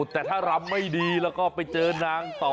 แต่ถ้ารำไม่ดีแล้วก็ไปเจอนางต่อ